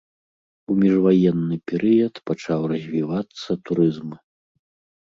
У міжваенны перыяд пачаў развівацца турызм.